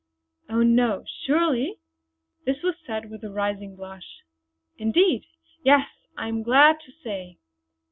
"Oh no! surely?" this was said with a rising blush. "Indeed, yes I am glad to say!"